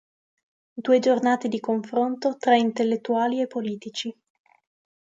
Due giornate di confronto tra intellettuali e politici".